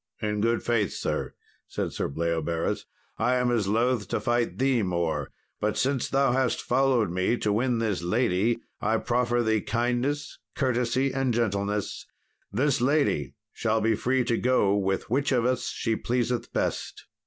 "In good faith, sir," said Sir Bleoberis, "I am as loth to fight thee more; but since thou hast followed me to win this lady, I proffer thee kindness, courtesy, and gentleness; this lady shall be free to go with which of us she pleaseth best."